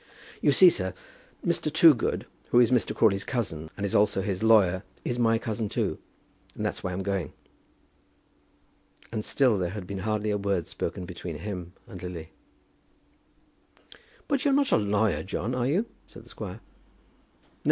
"You see, sir, Mr. Toogood, who is Mr. Crawley's cousin, and also his lawyer, is my cousin, too; and that's why I'm going." And still there had been hardly a word spoken between him and Lily. "But you're not a lawyer, John; are you?" said the squire. "No.